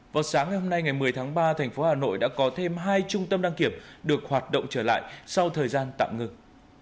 vào sáng ngày hôm nay ngày một mươi tháng ba thành phố hà nội đã có thêm hai trung tâm đăng kiểm được hoạt động trở lại sau thời gian tạm ngừng